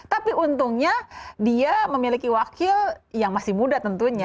tapi untungnya dia memiliki wakil yang masih muda tentunya